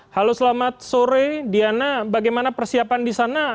halo selamat sore diana bagaimana persiapan di sana